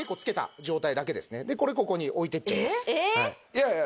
いやいや。